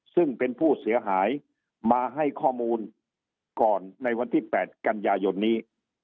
ซึ่งเป็นผู้เสียหายมาให้ข้อมูลก่อนในวันที่๘กันยายนนี้